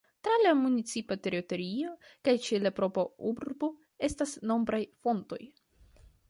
Tra la municipa teritorio kaj ĉe la propra urbo estas nombraj fontoj.